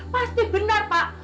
pasti benar pak